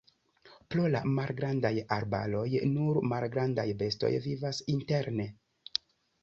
Pro la malgrandaj arbaroj nur malgrandaj bestoj vivas interne.